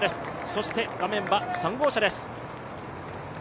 そして画面は３号車です。